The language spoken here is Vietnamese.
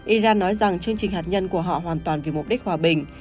iran nói rằng chương trình hạt nhân của họ hoàn toàn vì mục đích hòa bình